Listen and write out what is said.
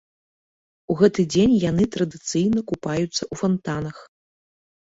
У гэты дзень яны традыцыйна купаюцца ў фантанах.